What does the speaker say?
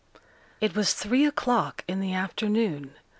It was three o'clock in the afternoon.